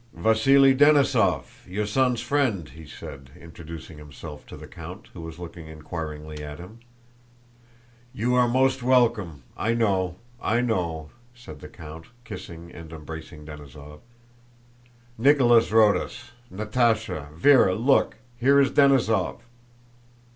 "Vasíli Denísov, your son's friend," he said, introducing himself to the count, who was looking inquiringly at him. "You are most welcome! I know, I know," said the count, kissing and embracing Denísov. "Nicholas wrote us... Natásha, Véra, look! Here is Denísov!"